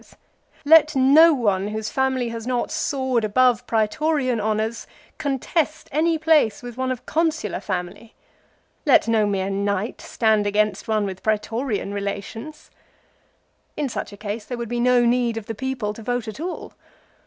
55 " Let no one whose family has not soared above prsetorian honours, contest any place with one of consular family. Let no mere knight stand against one with prsetorian relations." In such a case there would be no need of the people to vote at all.